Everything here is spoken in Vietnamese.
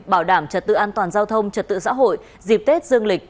bảo đảm trật tự an toàn giao thông trật tự xã hội dịp tết dương lịch